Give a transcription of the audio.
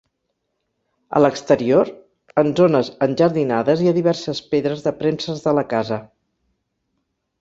A l'exterior, en zones enjardinades, hi ha diverses pedres de premses de la casa.